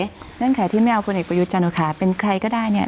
เงื่อนไขที่ไม่เอาพลเอกประยุทธ์จันทร์โอชาเป็นใครก็ได้เนี่ย